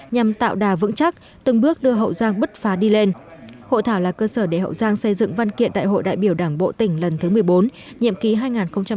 nhằm tạo đà vững chắc từng bước đưa hậu giang bứt phá đi lên hội thảo là cơ sở để hậu giang xây dựng văn kiện đại hội đại biểu đảng bộ tỉnh lần thứ một mươi bốn nhiệm ký hai nghìn hai mươi hai nghìn hai mươi năm